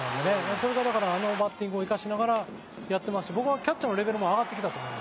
それがだからあのバッティングを生かしながらやってますし僕はキャッチャーのレベルも上がってきたと思います。